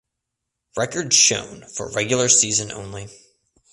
Records shown for regular season only.